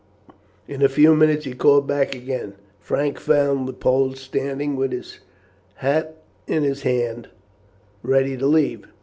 In a few minutes he called him back again. Frank found the Pole standing with his hat in his hand ready to leave.